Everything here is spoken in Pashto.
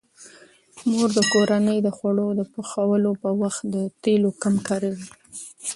مور د کورنۍ د خوړو د پخولو په وخت د تیلو کم کاروي.